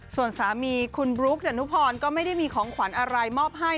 ส่วนสามีคุณบลุ๊กดานุพรก็ไม่ได้มีของขวัญอะไรมอบให้